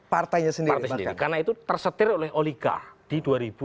karena itu tersetir oleh oligar di dua ribu lima belas